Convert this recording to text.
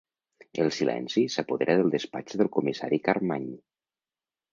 El silenci s'apodera del despatx del comissari Carmany.